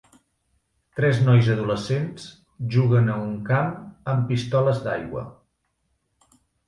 Tres nois adolescents juguen a un camp amb pistoles d'aigua.